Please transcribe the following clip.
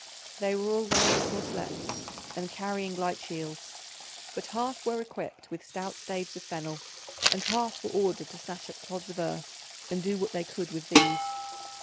They were all wearing corslets and carrying light shields, but half were equipped with stout staves of fennel, and half were ordered to snatch up clods of earth and do what they could with these.